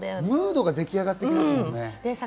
ムードが出来上がってきますもんね。